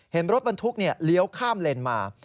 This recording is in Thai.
เห็นรถบรรทุกเลี้ยวข้ามเลนมา